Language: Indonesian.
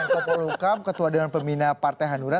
menko polhukam ketua dewan pembina partai hanura